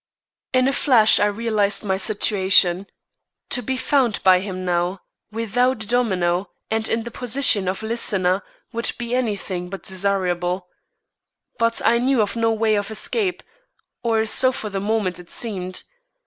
In a flash I realized my situation. To be found by him now, without a domino, and in the position of listener, would be any thing but desirable. But I knew of no way of escape, or so for the moment it seemed.